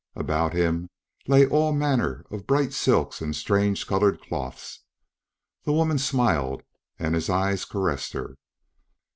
About him lay all manner of bright silks and strange colored cloths. The woman smiled and his eyes caressed her.